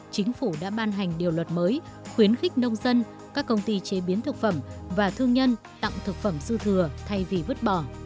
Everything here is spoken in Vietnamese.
chính phủ đã ban hành điều luật mới khuyến khích nông dân các công ty chế biến thực phẩm và thương nhân tặng thực phẩm dư thừa thay vì vứt bỏ